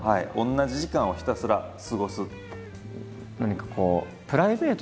同じ時間をひたすら過ごす。